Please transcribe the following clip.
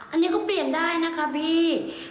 อันนี้ก็เปลี่ยนได้นะคะพี่